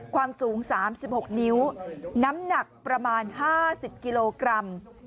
ความสูง๓๖นิ้วน้ำหนักประมาณ๕๐กิโลกรัม